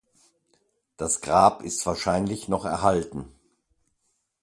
Das Grab ist wahrscheinlich noch erhalten.